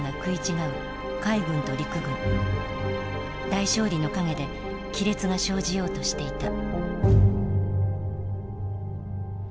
大勝利の陰で亀裂が生じようとしていた。